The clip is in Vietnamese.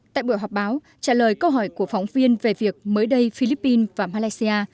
tại buổi họp báo trả lời câu hỏi của phóng viên về việc mới đây philippines và malaysia